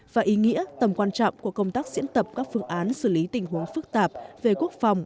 và ý nghĩa tầm quan trọng của công tác diễn tập các phương án xử lý tình huống phức tạp về quốc phòng